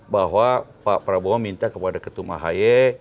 bahwa pak prabowo minta kepada ketua mahaye